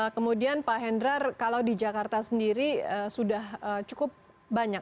kemudian pak hendrar kalau di jakarta sendiri sudah cukup banyak